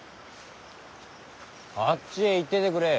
あっちへ行っててくれ。